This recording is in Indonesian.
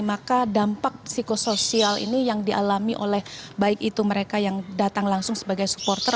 maka dampak psikosoial ini yang dialami oleh baik itu mereka yang datang langsung sebagai supporter